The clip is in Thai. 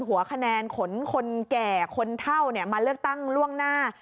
หัวคะแนนขนคนแก่คนเท่ามาเลือกตั้งล่วงหน้า